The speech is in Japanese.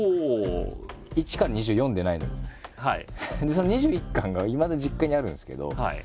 その２１巻がいまだ実家にあるんですけど。